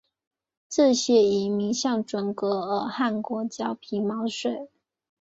这些遗民向准噶尔汗国交毛皮税。